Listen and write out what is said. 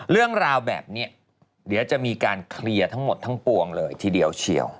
เรื่องราวแบบนี้เดี๋ยวจะมีการเคลียร์ทั้งหมดทั้งปวงเลยทีเดียวเชียว